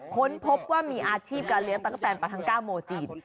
ค้นพบว่ามีอาชีพเกลี่ยดั๊กกะแตนปาทังก้าโมจีน